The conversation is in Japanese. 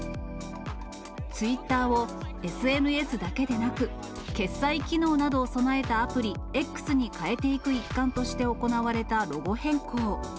ツイッターをＳＮＳだけでなく、決済機能などを備えたアプリ、Ｘに変えていく一環として行われたロゴ変更。